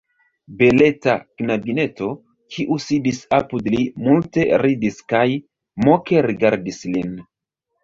Beleta knabineto, kiu sidis apud li, multe ridis kaj moke rigardis lin.